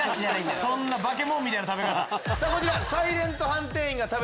そんな化け物みたいな食べ方！